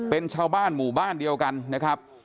เป็นชาวบ้านหมู่บ้านเดียวกันนะครับ